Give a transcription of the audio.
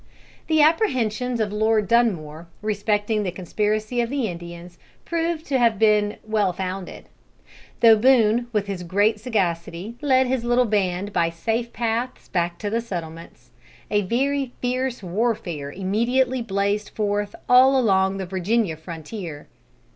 The apprehensions of Lord Dunmore, respecting the conspiracy of the Indians, proved to have been well founded. Though Boone, with his great sagacity, led his little band by safe paths back to the settlements, a very fierce warfare immediately blazed forth all along the Virginia frontier.